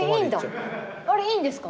あれいいんですか？